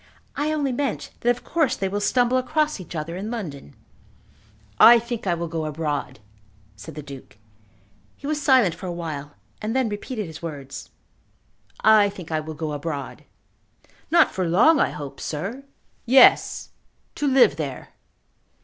"I only meant that of course they will stumble across each other in London." "I think I will go abroad," said the Duke. He was silent for awhile, and then repeated his words. "I think I will go abroad." "Not for long, I hope, sir." "Yes; to live there.